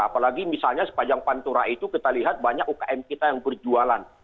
apalagi misalnya sepanjang pantura itu kita lihat banyak ukm kita yang berjualan